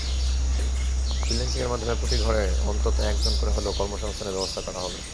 ফ্রিল্যান্সিংয়ের মাধ্যমে প্রতি ঘরে অন্তত একজন করে হলেও কর্মসংস্থানের ব্যবস্থা করা হবে।